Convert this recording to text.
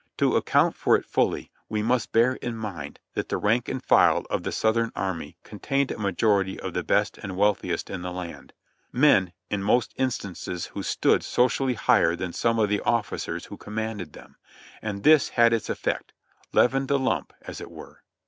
To account for it fully, we must bear in mind that the rank and file of the Southern army contained a majority of the best and wealthiest in the land ; men in most instances who stood social ly higher than some of the officers who commanded them ; and this had its effect — leavened the lump, as it were.